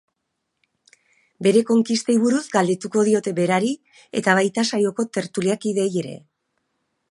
Bere konkistei buruz galdetuko diote berari eta baita saioko tertulakideei ere.